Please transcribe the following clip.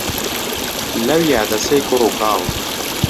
لەویا دەسەی کوڕ و کاڵ